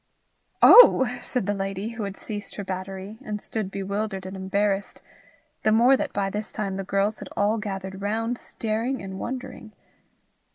"Oh!" said the lady, who had ceased her battery, and stood bewildered and embarrassed the more that by this time the girls had all gathered round, staring and wondering.